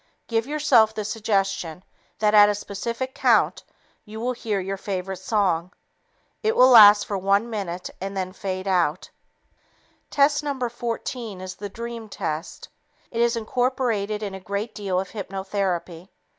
Give yourself the suggestion that at a specific count you will hear your favorite song. It will last for one minute and then fade out. Test No. 14 is the "dream" test. It is incorporated in a great deal of hypnotherapy.